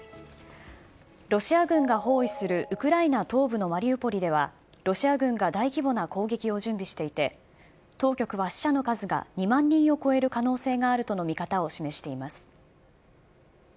ロシア軍が包囲するウクライナ東部のマリウポリでは、ロシア軍が大規模な攻撃を準備していて、当局は死者の数が２万人を超える可能性があるとの見方を示しています。